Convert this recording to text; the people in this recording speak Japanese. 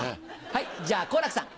はいじゃあ好楽さん。